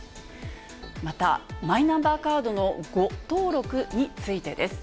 また、マイナンバーカードの誤登録についてです。